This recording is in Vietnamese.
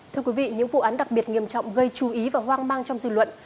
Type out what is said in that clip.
thưa quý vị những vụ án đặc biệt nghiêm trọng gây chú ý và hoang mang trong dư luận